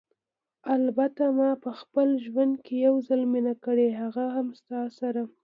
البته ما په خپل ژوند کې یو ځل مینه کړې، هغه هم ستا سره.